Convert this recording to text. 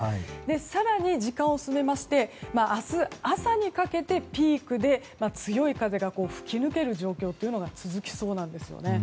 更に時間を進めまして明日朝にかけてピークで強い風が吹き抜ける状況というのが続きそうなんですよね。